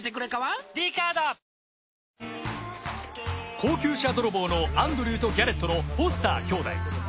高級車泥棒のアンドリューとギャレットのフォスター兄弟。